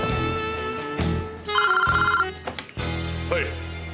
はい。